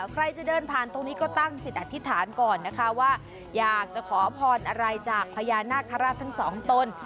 ใครจะเดินผ่านตรงนี้ก็ตั้งจิตอธิษฐานก่อนนะคะว่าอยากจะขอพรอะไรจากพญานาคาราชทั้งสองตน